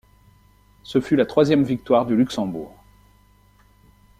Ce fut la troisième victoire du Luxembourg.